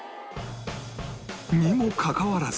にもかかわらず